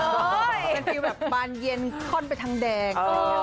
เป็นฟิลแบบบานเย็นค่อนไปทางแดง